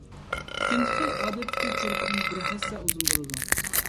ئىككىنچى خىلى ئادەتتىكى كۆرپىدىن بىر ھەسسە ئۇزۇن بولىدۇ.